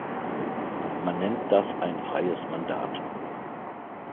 Man nennt das ein freies Mandat.